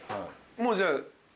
もうじゃあ。